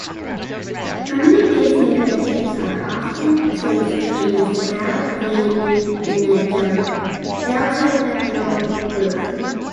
Permanent pacemaker leads are often placed in the cephalic vein in the deltopectoral groove.